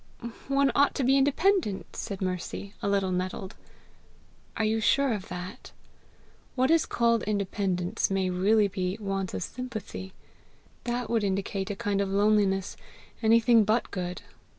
"One ought to be independent!" said Mercy, a little nettled. "Are you sure of that? What is called independence may really be want of sympathy. That would indicate a kind of loneliness anything but good."